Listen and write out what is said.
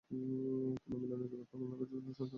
পুনর্মিলন যুগের পর অন্ধকার যুগের সূচনা ঘটে।